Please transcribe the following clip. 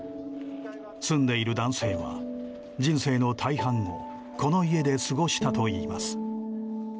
住んでいる男性は、人生の大半をこの家で過ごしたといいます。